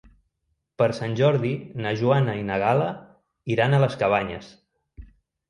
Per Sant Jordi na Joana i na Gal·la iran a les Cabanyes.